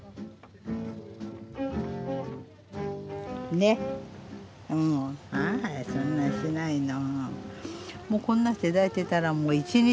ねっもうそんなんしないの。